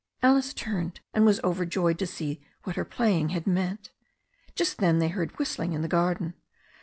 Alice turned, and was overjoyed to see what her playing had meant. Just then they heard whistling in the garden.